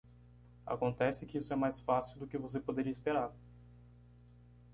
Acontece que isso é mais fácil do que você poderia esperar.